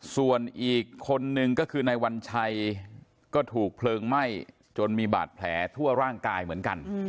ส่วนอีกคนนึงก็คือนายวัญชัยก็ถูกเพลิงไหม้จนมีบาดแผลทั่วร่างกายเหมือนกัน